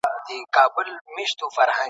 اتلان تل په یاد پاتې کېږي.